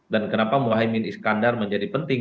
dan kenapa mohaimin iskandar menjadi penting